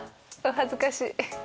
恥ずかしい。